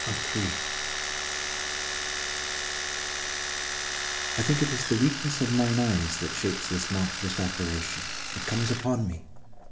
CHAPTER VI I think it is the weakness of mine eyes, That shapes this monstrous apparition. It comes upon me!